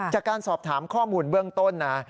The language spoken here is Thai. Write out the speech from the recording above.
จากการสอบถามข้อมูลเบื้องต้นนะ